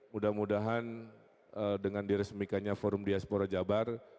mudah mudahan dengan diresmikannya forum diaspora jabar